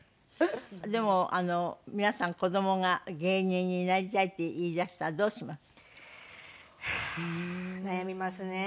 でも皆さん子供が芸人になりたいって言いだしたらどうします？はあー悩みますね。